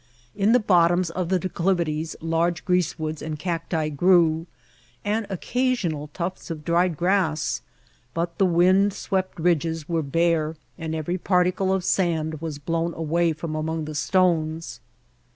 In the bottoms of the declivities large greasewoods and cacti grew, and occasional tufts of dried grass; but the wind swept ridges were bare and every particle of sand was blown away from among the stones.